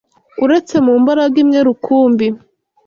uretse mu mbaraga imwe rukumbi